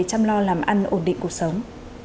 chăm lo làm ăn ổn định cuộc sống